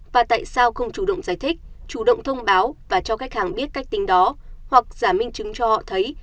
và tại sao không chủ động giải thích chủ động thông báo và cho khách hàng biết cách tính đó hoặc giả minh chứng cho họ thấy